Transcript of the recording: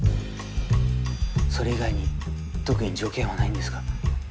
それ以外に特に条件はないんですが。